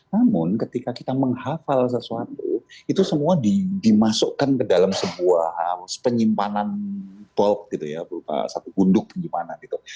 namun ketika kita menghafal sesuatu itu semua dimasukkan ke dalam sebuah penyimpanan gonduk penyimpanan